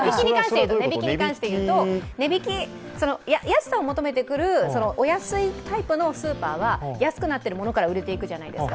値引きに関して言うと、安さを求めてくるお安いタイプのスーパーは安くなっているものから売れていてくじゃないですか。